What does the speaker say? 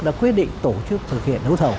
đã quyết định tổ chức thực hiện đấu thầu